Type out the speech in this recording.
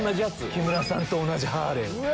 木村さんと同じハーレー。